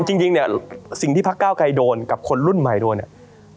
จริงเนี่ยสิ่งที่พักเก้าไกรโดนกับคนรุ่นใหม่โดนเนี่ย